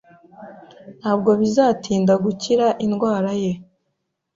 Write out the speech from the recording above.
Ntabwo bizatinda gukira indwara ye